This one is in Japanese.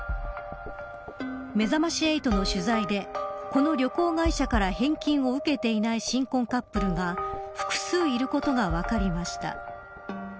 めざまし８の取材でこの旅行会社から返金を受けていない新婚カップルが複数いることが分かりました。